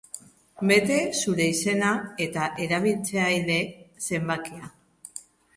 Bete zure izena eta erabiltzaile zenbakia.